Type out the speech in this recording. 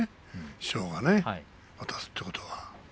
師匠が渡すということはね。